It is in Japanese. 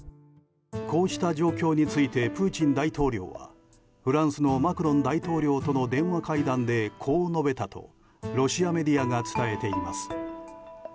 こうした状況についてプーチン大統領はフランスのマクロン大統領との電話会談でこう述べたとロシアメディアが伝えています。